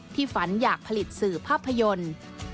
ฝันอยากผลิตสื่อภาพยนตร์